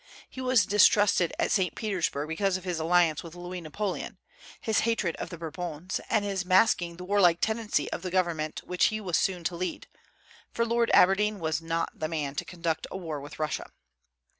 He was distrusted at St. Petersburg because of his alliance with Louis Napoleon, his hatred of the Bourbons, and his masking the warlike tendency of the government which he was soon to lead, for Lord Aberdeen was not the man to conduct a war with Russia.